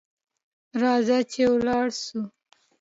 راځه چي ولاړ سو .